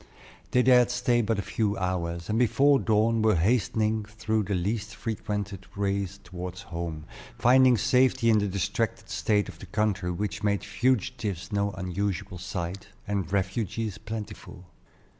They dared stay but a few hours, and before dawn were hastening through the least frequented ways toward home, finding safety in the distracted state of the country, which made fugitives no unusual sight, and refugees plentiful.